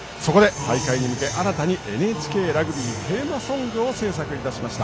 大会に向けてＮＨＫラグビーテーマソングを制作いたしました。